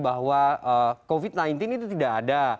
yang mengatakan bahwa covid sembilan belas itu tidak ada